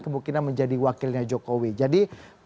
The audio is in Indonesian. kemungkinan menjadi wakilnya jokowi jadi